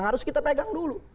harus kita pegang dulu